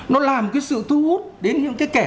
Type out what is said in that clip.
nó làm cái sự thu hút đến những cái kẻ